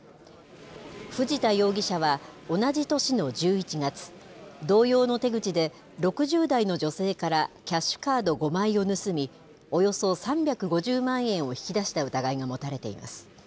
藤田容疑者は、同じ年の１１月、同様の手口で６０代の女性からキャッシュカード５枚を盗み、およそ３５０万円を引き出した疑いが持たれています。